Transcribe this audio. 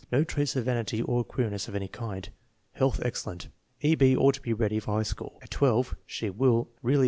No trace of vanity or queerness of any kind. Health excellent. E. B. ought to be ready for high school at 12; she will really FIG.